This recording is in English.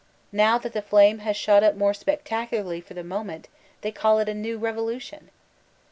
Now that the flame has shot up more spectacularly for the moment, they call it ''a new revolution.